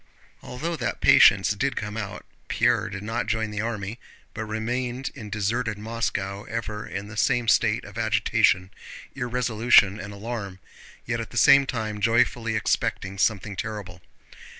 Although that patience did come out, Pierre did not join the army, but remained in deserted Moscow ever in the same state of agitation, irresolution, and alarm, yet at the same time joyfully expecting something terrible.